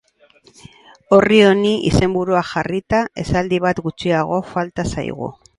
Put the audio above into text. Orri honi izenburua jarrita, esaldi bat gutxiago falta zaigu.